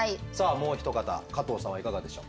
もうひと方加藤さんはいかがでしょう？